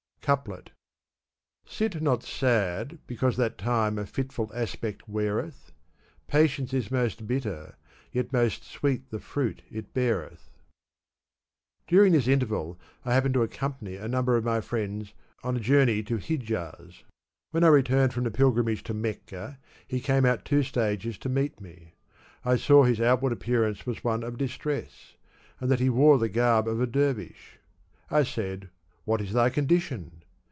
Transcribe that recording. Couplet. ''Sit not sad because that Time a fitful aspect weareth ; Patience is most bitter, yet most sweet the fruit it beareth." During this interval I happened to accompany a num ber of my friends on a journey to Hijaz.* When I re turned from the pilgrimage to Mecca he came out two stages to meet me. I saw that his outward appear ance was one of distress, and that he wore the garb of a dervish. I said, ''What is thy condition?"